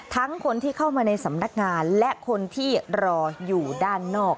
คนที่เข้ามาในสำนักงานและคนที่รออยู่ด้านนอก